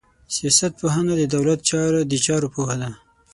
سياست پوهنه د دولت د چارو پوهه ده.